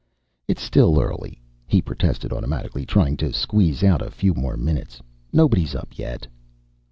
"It's still early," he protested, automatically trying to squeeze out a few more minutes. "Nobody's up yet."